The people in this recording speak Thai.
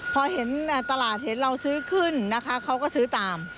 พอเห็นตลาดเห็นเราซื้อขึ้นนะคะเขาก็ซื้อตาม